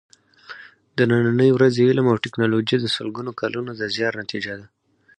د نننۍ ورځې علم او ټېکنالوجي د سلګونو کالونو د زیار نتیجه ده.